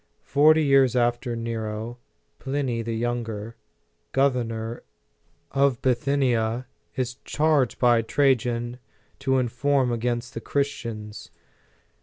Forty years after Nero, Pliny the Younger, governor of Bithynia, is charged by Trajan to : nform against the Christians.